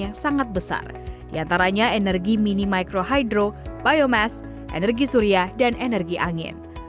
yang sangat besar diantaranya energi mini micro hydro biomass energi surya dan energi angin